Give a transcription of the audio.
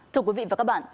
thưa quý vị và các bạn